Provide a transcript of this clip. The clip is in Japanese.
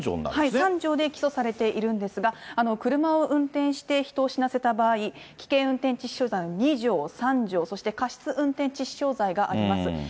３条で起訴されているんですが、車を運転して人を死なせた場合、危険運転致死傷罪は２条、３条、そして過失運転致死傷罪があります。